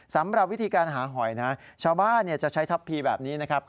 สำหรับวิธีการหาหอยนะชาวบ้านจะใช้ทัพพีแบบนี้นะครับ